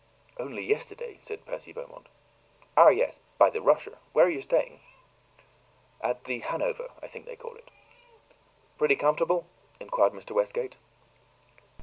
"Only yesterday," said Percy Beaumont. "Ah, yes, by the Russia. Where are you staying?" "At the Hanover, I think they call it." "Pretty comfortable?" inquired Mr. Westgate.